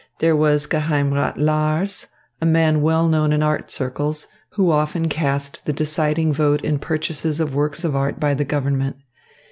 There was Geheimrat Lars, a man well known in art circles, who often cast the deciding vote in purchases of works of art by the government.